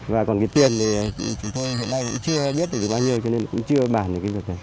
và còn cái tiền thì chúng tôi hiện nay cũng chưa biết được bao nhiêu cho nên cũng chưa bàn được cái việc này